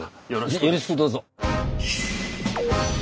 よろしくどうぞ。